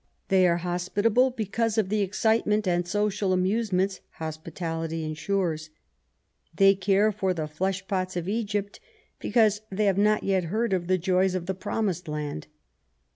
They are hospitable because of the excitement and social amusements hospitality ensures. They care for the flesh pots of Egypt because they have not yet heard of the joys of the Promised Land.